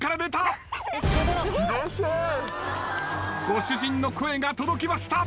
ご主人の声が届きました。